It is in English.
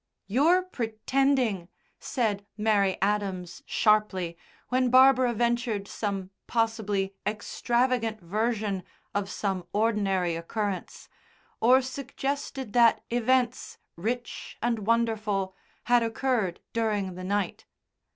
"You're pretending," said Mary Adams sharply when Barbara ventured some possibly extravagant version of some ordinary occurrence, or suggested that events, rich and wonderful, had occurred during the night.